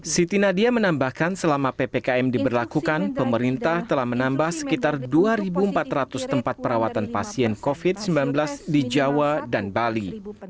siti nadia menambahkan selama ppkm diberlakukan pemerintah telah menambah sekitar dua empat ratus tempat perawatan pasien covid sembilan belas di jawa dan bali